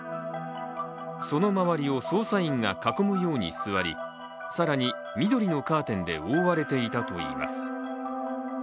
その周りを捜査員が囲むように座り、更に、緑のカーテンで覆われていたといいます。